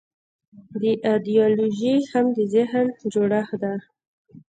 دا ایدیالوژي هم د ذهن جوړښت دی.